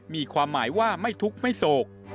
มีความหมายว่าไม่ทุกข์ไม่โศก